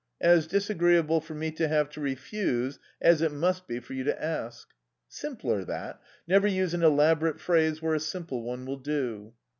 'As disagreeable for me to have to refuse as it must be for you to ask.' "Simpler, that. Never use an elaborate phrase where a simple one will do.